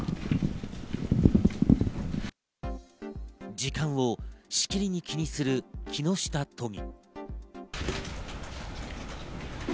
時間をしきりに気にする木下都議。